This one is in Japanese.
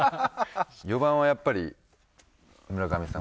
４番はやっぱり村神様。